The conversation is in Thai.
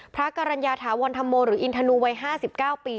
พระกรรณญาถาวรธรรมโมหรืออินทนูวัย๕๙ปี